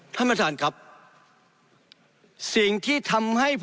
ถ้าผิดพลาดธรรมดาเนี่ยท่านอาจจะยิ้ม